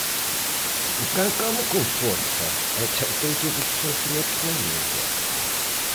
O can come con forza e chantou todos os alfinetes na lingua.